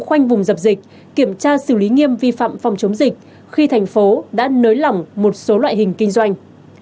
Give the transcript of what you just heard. khoanh vùng dập dịch kiểm tra xử lý nghiêm vi phạm phòng chống dịch khi thành phố đã nới lỏng một số loại hình kinh doanh